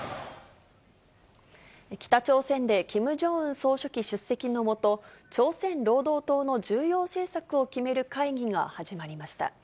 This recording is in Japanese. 北朝鮮でキム・ジョンウン総書記出席のもと、朝鮮労働党の重要政策を決める会議が始まりました。